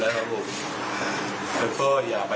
ถ้าคิดว่าตัวเองไม่มีสติแล้วก้รรสัมภาษณ์ด้อนนะครับผม